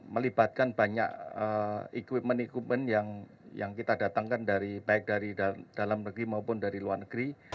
melibatkan banyak equipment equipment yang kita datangkan dari baik dari dalam negeri maupun dari luar negeri